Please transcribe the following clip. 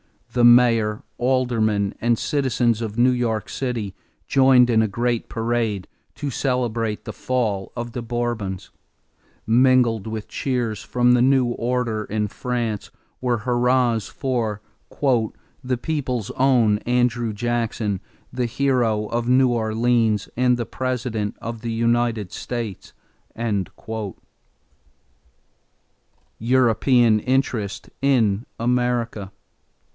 The mayor, aldermen, and citizens of New York City joined in a great parade to celebrate the fall of the Bourbons. Mingled with cheers for the new order in France were hurrahs for "the people's own, Andrew Jackson, the Hero of New Orleans and President of the United States!" =European Interest in America.